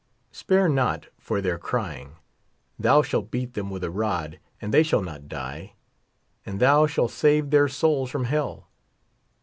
Spare not, for their crying ; thou shall beat them with a rod and they shall not die ; and thou shall save their souls from hell.